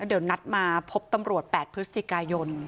เดี๋ยวนัดมาพบตำรวจ๘พฤศจิกายน